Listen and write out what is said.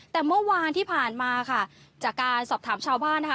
แต่เมื่อวานที่ผ่านมาค่ะจากการสอบถามชาวบ้านนะคะ